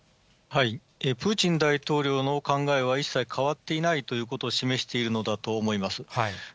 プーチン大統領の考えは一切変わっていないということを示しているのだと思います。